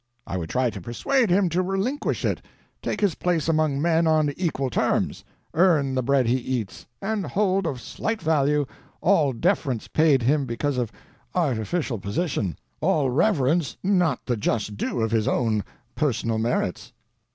I would try to persuade him to relinquish it, take his place among men on equal terms, earn the bread he eats, and hold of slight value all deference paid him because of artificial position, all reverence not the just due of his own personal merits."